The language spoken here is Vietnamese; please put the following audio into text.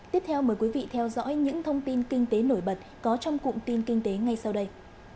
tiếp theo mời quý vị theo dõi những thông tin kinh tế nổi bật có trong cụm tin kinh tế ngay sau đây